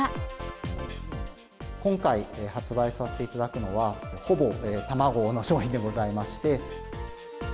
今回、発売させていただくのは、ほぼ卵の商品でございまして。